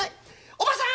おばさん！